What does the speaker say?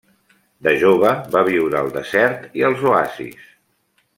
De jove va viure al desert i als oasis.